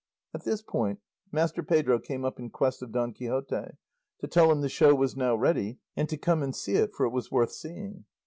At this point Master Pedro came up in quest of Don Quixote, to tell him the show was now ready and to come and see it, for it was worth seeing.